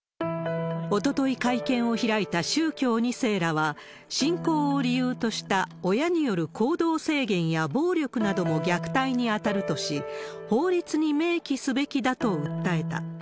おととい会見を開いた宗教２世らは、信仰を理由とした親による行動制限や暴力なども虐待に当たるとし、法律に明記すべきだと訴えた。